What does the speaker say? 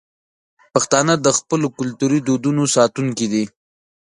پښتانه د خپلو کلتوري دودونو ساتونکي دي.